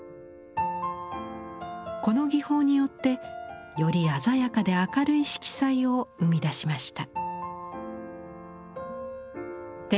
この技法によってより鮮やかで明るい色彩を生み出しました。